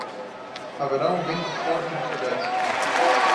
Haverá um vento forte do sudeste.